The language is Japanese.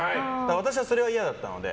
私はそれが嫌だったので。